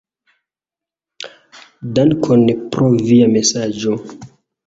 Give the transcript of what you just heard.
Dankon pro via mesaĝo.